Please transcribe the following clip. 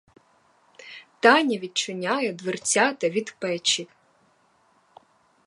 Таня відчиняє дверцята від печі.